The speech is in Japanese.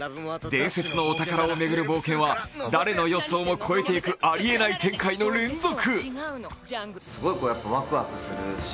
伝説のお宝を巡る冒険は誰の予想も超えていくありえない展開の連続。